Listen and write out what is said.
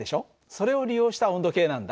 それを利用した温度計なんだ。